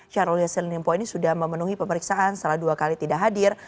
syahrul yassin limpo ini sudah memenuhi pemeriksaan setelah dua kali tidak hadir